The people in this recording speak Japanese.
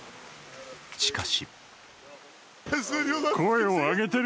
しかし。